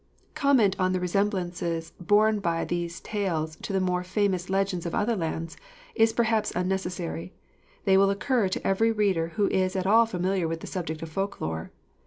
Comment on the resemblances borne by these tales to the more famous legends of other lands, is perhaps unnecessary; they will occur to every reader who is at all familiar with the subject of folk lore.